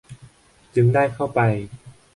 จึงได้เข้าไป